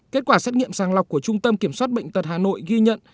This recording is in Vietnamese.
kết quả xét nghiệm sàng lọc của trung tâm kiểm soát bệnh tật hà nội ghi nhận